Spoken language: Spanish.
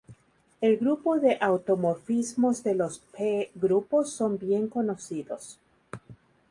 El grupo de automorfismos de los "p"-grupos son bien conocidos.